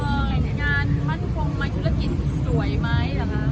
เอ่อแต่งงานมั่นคงไม่ถึงธุรกิจสวยไหมนะคะ